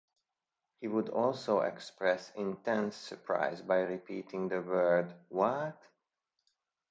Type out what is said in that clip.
He would also express intense surprise by repeating the word What?!